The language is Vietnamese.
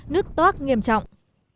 nước toát nghiêm trọng